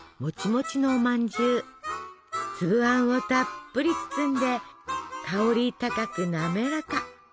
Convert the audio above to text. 粒あんをたっぷり包んで香り高く滑らか。